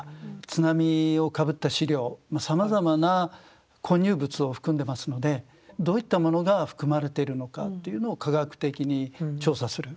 津波をかぶった資料さまざまな混入物を含んでますのでどういったものが含まれているのかというのを科学的に調査する。